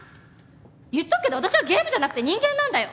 言っとくけど私はゲームじゃなくて人間なんだよ。